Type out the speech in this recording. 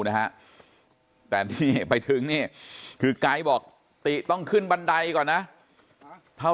นะฮะแต่ที่ไปถึงนี่คือไกด์บอกติต้องขึ้นบันไดก่อนนะเท่า